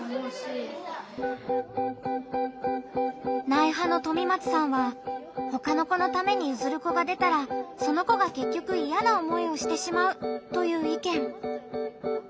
「ない派」のとみまつさんはほかの子のためにゆずる子が出たらその子がけっきょくイヤな思いをしてしまうという意見。